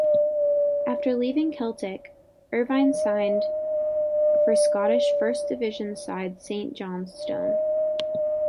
After leaving Celtic, Irvine signed for Scottish First Division side Saint Johnstone.